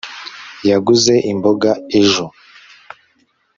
yaguze imboga ejo